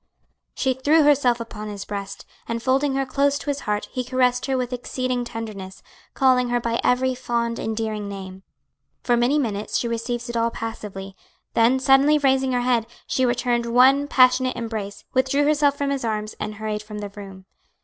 She threw herself upon his breast, and folding her close to his heart, he caressed her with exceeding tenderness, calling her by every fond, endearing name. For many minutes she received it all passively, then suddenly raising her head, she returned one passionate embrace, withdrew herself from his arms, and hurried from the room.